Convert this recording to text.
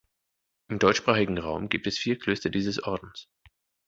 Im deutschsprachigen Raum gibt es vier Klöster dieses Ordens.